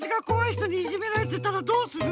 ひとにいじめられてたらどうする？